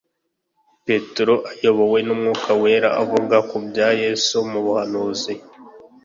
Petero ayobowe n'Umwuka wera avuga ku bya Yesu mu buhanuzi